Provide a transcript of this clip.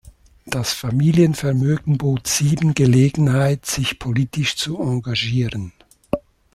Das Familienvermögen bot Siben Gelegenheit, sich politisch zu engagieren.